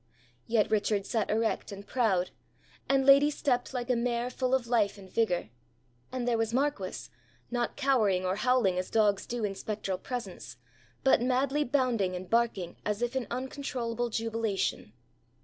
Yet Richard sat erect and proud, and Lady stepped like a mare full of life and vigour. And there was Marquis, not cowering or howling as dogs do in spectral presence, but madly bounding and barking as if in uncontrollable jubilation!